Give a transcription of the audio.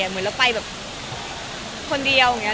เหมือนเราไปแบบคนเดียวอย่างนี้